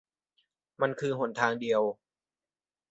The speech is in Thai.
มันคือหนทางเดียว